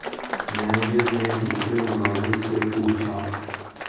manager نے دوسرے ملازم سے پوچھا